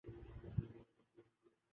تو تین باتوں کا لحاظ ضروری ہے۔